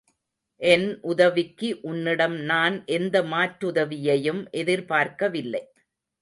என் உதவிக்கு உன்னிடம் நான் எந்த மாற்றுதவியையும் எதிர்பார்க்கவில்லை.